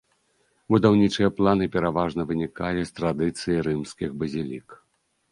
Будаўнічыя планы пераважна вынікалі з традыцыі рымскіх базілік.